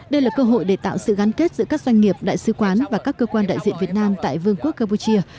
đây là cơ hội để tạo sự gắn kết giữa các doanh nghiệp đại sứ quán và các cơ quan đại diện việt nam tại vương quốc campuchia